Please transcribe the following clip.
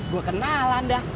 gue kenalan dah